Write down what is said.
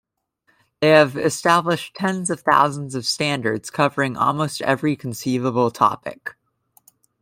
They have established tens of thousands of standards covering almost every conceivable topic.